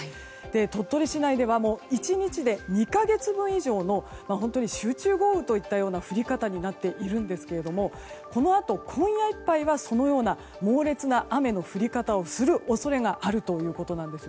鳥取市内では１日で２か月分以上の本当に集中豪雨といったような降り方になっているんですがこのあと今夜いっぱいはそのような猛烈な雨の降り方をする恐れがあるということなんです。